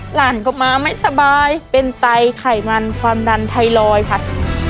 หลานก็มาไม่สบายเป็นไตไขมันความดันไทรอยด์ค่ะ